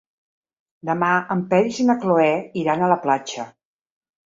Demà en Peris i na Cloè iran a la platja.